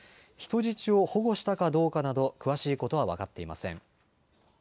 人質を保護したかどうかなど、詳しいことは分かっていません。